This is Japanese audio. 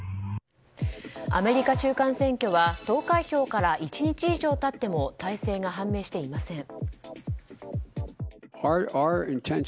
アメリカ中間選挙は投開票から１日以上経っても大勢が判明していません。